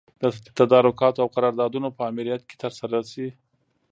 د تدارکاتو او قراردادونو په امریت کي ترسره سي.